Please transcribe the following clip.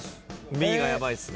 Ｂがヤバいっすね。